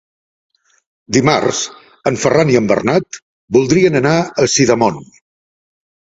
Dimarts en Ferran i en Bernat voldrien anar a Sidamon.